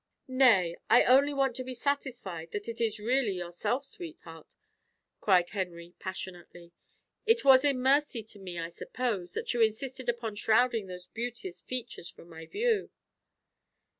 "Nay, I only want to be satisfied that it is really yourself, sweetheart," cried Henry passionately. "It was in mercy to me, I suppose, that you insisted upon shrouding those beauteous features from my view.